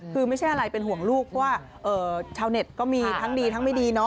คือไม่ใช่อะไรเป็นห่วงลูกเพราะว่าชาวเน็ตก็มีทั้งดีทั้งไม่ดีเนาะ